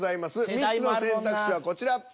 ３つの選択肢はこちら。